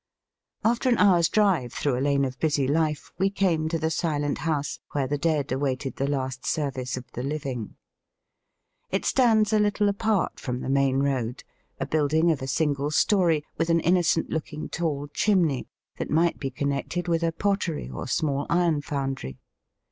After an hour's drive through a lane of busy life we came to the silent house where the dead awaited the last service of the living. It stands a Kttle apart from the main road, a building of a single story, with an innocent looking tall chimney, that might be connected with a pottery or a small iron foundry.